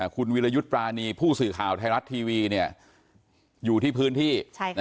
คุณวิรยุทธ์ปรานีผู้สื่อข่าวไทยรัฐทีวีอยู่ที่พื้นที่